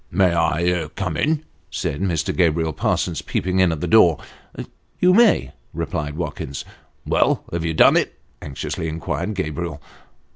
" May I come in ?" said Mr. Gabriel Parsons, peeping in at the door. " You may," replied Watkins. " Well, have you done it ?" anxiously inquired Gabriel.